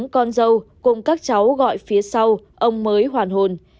bốn con dâu cùng các cháu gọi phía sau ông mới hoàn hồn